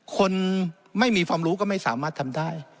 คนไม่มีความรู้ก็ไม่สามารถทำได้